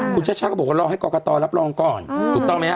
คุณชัชชาก็บอกว่าเราให้กอกาตอร์รับรองก่อนถูกต้องไหมฮะ